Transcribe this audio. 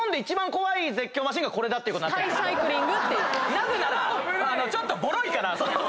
なぜならちょっとぼろいから。